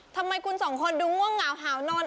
ทำไมคุณสองคนดูง่วงเหงาหาวนอน